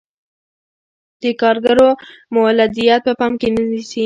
د کارګرو مولدیت په پام کې نه نیسي.